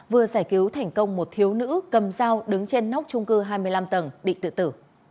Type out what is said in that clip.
vừa giải cứu thành công một thiếu nữ cầm dao đứng trên nóc trung cư hai mươi năm tầng định tự tử